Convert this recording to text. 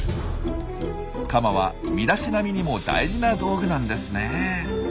カマは身だしなみにも大事な道具なんですね。